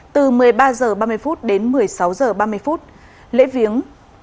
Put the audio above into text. từ một mươi ba h ba mươi phút đến một mươi sáu h ba mươi phút lễ viếng